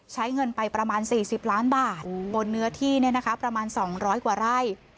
ใช้เงินไปประมาณ๔๐ล้านบาทบนเนื้อที่ประมาณ๒๐๐กว่าไร่